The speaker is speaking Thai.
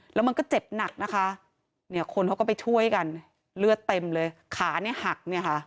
แล้วมันก็เจ็บหนักนะคะคนเขาก็ไปช่วยกันเลือดเต็มเลยขาหัก